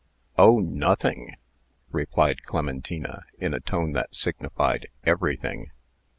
"Oh! nothing," replied Clementina, in a tone that signified "Everything."